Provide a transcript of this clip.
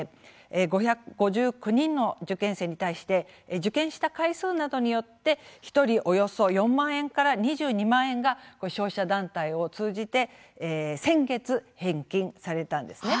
５５９人の受験生に対して受験した回数などによって１人およそ４万円から２２万円が消費者団体を通じて先月、返金されました。